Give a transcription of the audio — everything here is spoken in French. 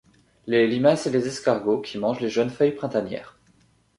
Les limaces et les escargots qui mangent les jeunes feuilles printanières.